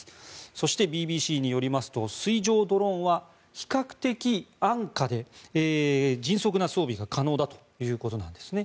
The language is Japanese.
そして、ＢＢＣによりますと水上ドローンは比較的安価で、迅速な装備が可能だということなんですね。